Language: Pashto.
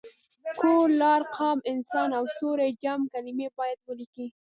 کور، لار، قام، انسان او ستوری جمع کلمې باید ولیکي.